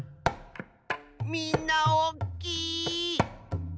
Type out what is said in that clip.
みんなおっきい！